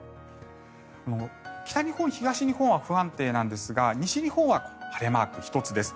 北日本、東日本は不安定なんですが西日本は晴れマーク１つです。